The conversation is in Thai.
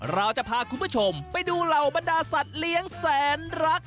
เราจะพาคุณผู้ชมไปดูเหล่าบรรดาสัตว์เลี้ยงแสนรัก